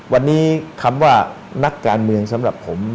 วันนี้คำว่านักการเมืองสำหรับผม